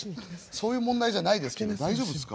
そういう問題じゃないですけど大丈夫ですか？